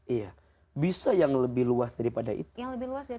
iya bisa yang lebih luas daripada itu